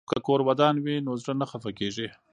که کور ودان وي نو زړه نه خفه کیږي.